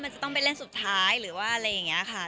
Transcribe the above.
มันจะต้องไปเล่นสุดท้ายหรือว่าอะไรอย่างนี้ค่ะ